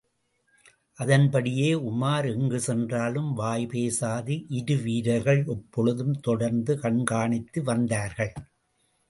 அதன்படியே, உமார் எங்கு சென்றாலும், வாய்பேசாது இருவீரர்கள் எப்பொழுதும், தொடர்ந்து கண்காணித்து வந்தார்கள்.